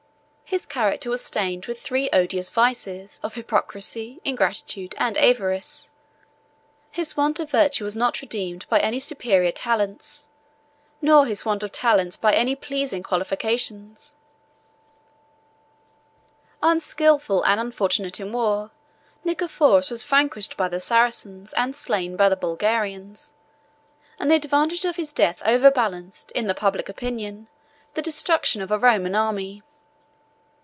His character was stained with the three odious vices of hypocrisy, ingratitude, and avarice: his want of virtue was not redeemed by any superior talents, nor his want of talents by any pleasing qualifications. Unskilful and unfortunate in war, Nicephorus was vanquished by the Saracens, and slain by the Bulgarians; and the advantage of his death overbalanced, in the public opinion, the destruction of a Roman army.